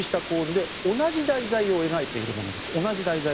酷似した構図で同じ題材を描いているものです。